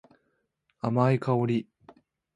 甘い香り。